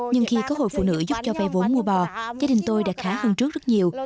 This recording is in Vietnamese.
nhưng khi có hội phụ nữ giúp cho vay vốn mua bò gia đình tôi đã khá hơn trước rất nhiều